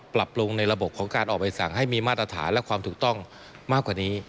ปรับปรุงในระบบของการออกใบสั่งให้มีมาตรฐานและความถูกต้องมากกว่านี้